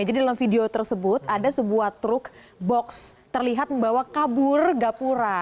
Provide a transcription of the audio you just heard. jadi dalam video tersebut ada sebuah truk box terlihat membawa kabur gapura